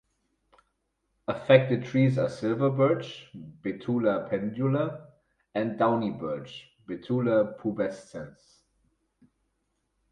Affected trees are silver birch ("Betula pendula") and downy birch "(Betula pubescens").